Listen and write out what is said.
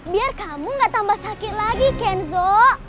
biar kamu gak tambah sakit lagi kenzo